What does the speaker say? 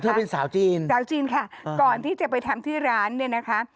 เป็นสาวจีนสาวจีนค่ะก่อนที่จะไปทำที่ร้านเนี่ยนะคะ